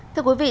thưa quý vị